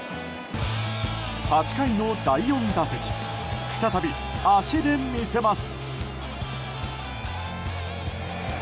８回の第４打席再び、足で見せます。